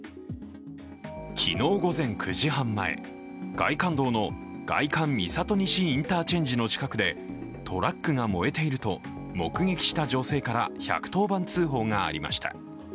昨日午前９時半前、外環道の外環三郷西インターチェンジの近くでトラックが燃えていると目撃した女性から１１０番通報がありました。